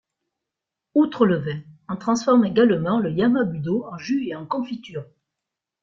Outre le vin, on transforme également le yama-budō en jus et en confiture.